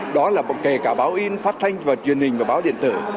đó là kể cả báo in phát thanh và truyền hình và báo điện tử